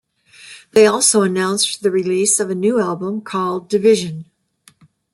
They also announced the release of a new album called "Division".